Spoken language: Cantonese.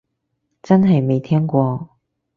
真係未聽過